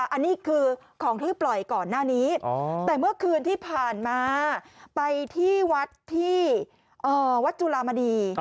อันนี้คือของที่ปล่อยก่อนหน้านี้แต่เมื่อคืนที่ผ่านมาไปที่วัดที่วัดจุลามณี